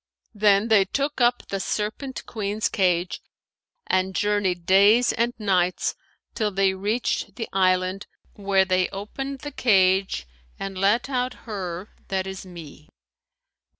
Then they took up the Serpent queen's cage and journeyed days and nights, till they reached the island, where they opened the cage and let out her that is me.